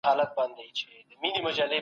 په سياست کي د زور زياتي ځای بايد تنګ سي.